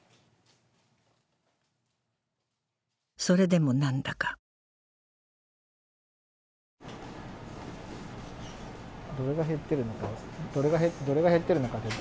それでもなんだかどれが減っているのか。